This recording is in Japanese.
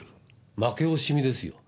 負け惜しみですよ。